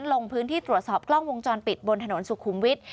ลงพื้นที่ตรวจสอบกล้องวงจรปิดบนถนนสุขุมวิทย์